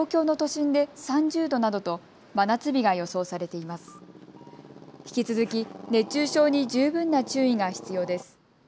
引き続き熱中症に十分な注意が必要です。